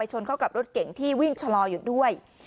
ชนเข้ากับรถเก่งที่วิ่งชะลออยู่ด้วย